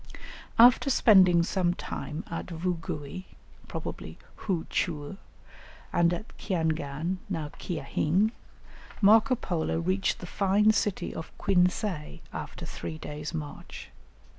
After spending some time at Vugui, probably Hou tcheou, and at Ciangan, now Kia hing, Marco Polo reached the fine city of Quinsay, after three days' march.